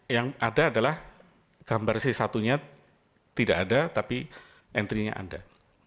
yang ada adalah gambar c satu nya tidak ada tapi entry nya ada